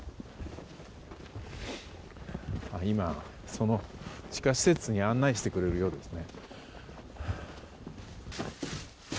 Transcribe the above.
今、その地下施設に案内してくれるようですね。